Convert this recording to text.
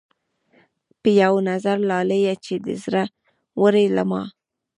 پۀ يو نظر لاليه چې دې زړۀ وړے له ما